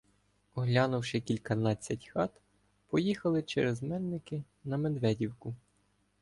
Оглянувши кільканадцять хат, поїхали через Мельники на Медведівку.